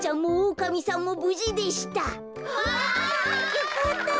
よかった。